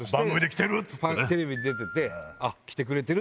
テレビに出ててあっ着てくれてる！